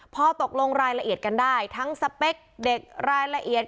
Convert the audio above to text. พอตกลงรายละเอียดกันได้ทั้งสเปคเด็กรายละเอียด